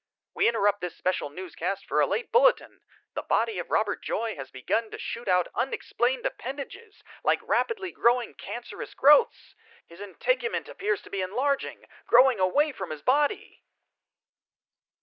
We interrupt this special newscast for a late bulletin: The body of Robert Joy has begun to shoot out unexplained appendages, like rapidly growing cancerous growths. His integument appears to be enlarging, growing away from his body